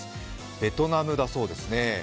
ベトナムだそうですね。